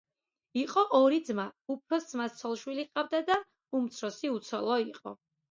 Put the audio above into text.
იყო ორი ძმა უფროს ძმას ცოლ-შვილი ჰყავდა და უმცროსი უცოლო იყო.